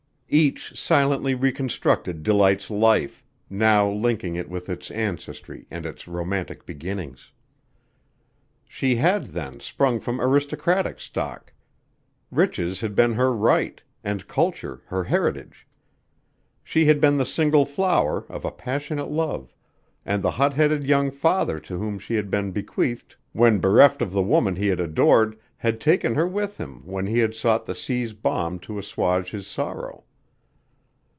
Each silently reconstructed Delight's life, now linking it with its ancestry and its romantic beginnings. She had, then, sprung from aristocratic stock; riches had been her right, and culture her heritage. She had been the single flower of a passionate love, and the hot headed young father to whom she had been bequeathed when bereft of the woman he had adored had taken her with him when he had sought the sea's balm to assuage his sorrow.